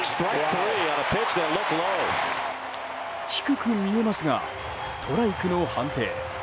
低く見えますがストライクの判定。